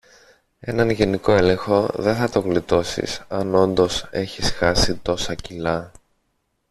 έναν γενικό έλεγχο δεν θα το γλιτώσεις αν όντως έχεις χάσει τόσα κιλά